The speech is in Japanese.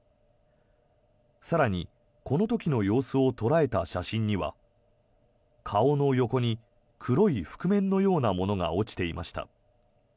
更に、この時の様子を捉えた写真には顔の横に黒い覆面のようなものが落ちていました。